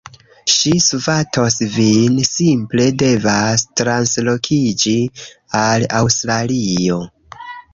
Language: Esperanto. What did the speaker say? Ŝi svatos vin. Simple devas translokiĝi al Aŭstralio